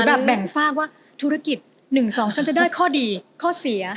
แบ่งฝากว่าธุรกิจ๑๒ฉันจะได้ข้อดีข้อเสีย